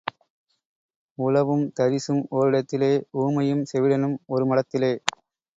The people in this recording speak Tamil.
உழவும் தரிசும் ஓரிடத்திலே ஊமையும் செவிடனும் ஒரு மடத்திலே.